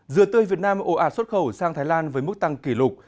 dừa tươi việt nam ồ ạt xuất khẩu sang thái lan với mức tăng kỷ lục